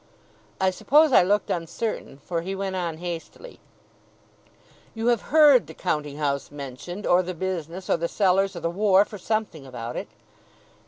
I suppose I looked uncertain, for he went on hastily: 'You have heard the "counting house" mentioned, or the business, or the cellars, or the wharf, or something about it.